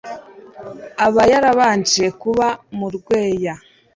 Aba yarabanje kuba mu Rweya